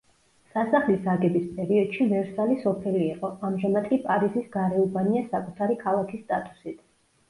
სასახლის აგების პერიოდში ვერსალი სოფელი იყო, ამჟამად კი პარიზის გარეუბანია საკუთარი ქალაქის სტატუსით.